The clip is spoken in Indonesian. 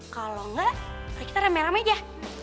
kalo enggak kita remeh remeh aja